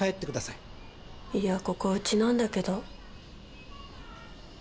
いや、ここ、うちなんだけど。